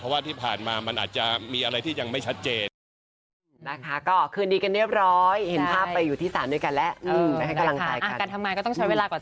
ว่าที่ผ่านมามันอาจจะมีอะไรที่ยังไม่ชัดเจน